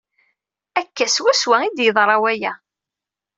Akka swaswa ay d-yeḍra waya.